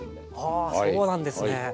あそうなんですね。